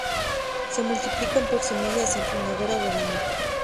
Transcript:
Se multiplican por semillas en primavera o verano.